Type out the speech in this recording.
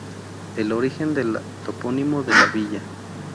El origen del topónimo de la Villa.